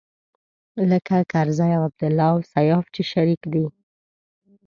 لکه کرزی او عبدالله او سياف چې شريک دی.